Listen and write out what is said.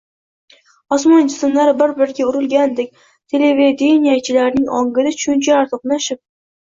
– osmon jismlari bir-biriga urilganidek televideniyechilarning ongida tushunchalar to‘qnashib